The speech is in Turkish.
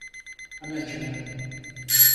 Anacığım…